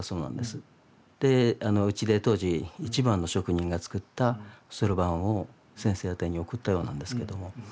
でうちで当時一番の職人が作った算盤を先生宛てに送ったようなんですけども。